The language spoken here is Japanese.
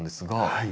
はい。